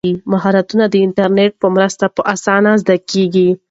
مهارتونه د انټرنیټ په مرسته په اسانۍ زده کیږي.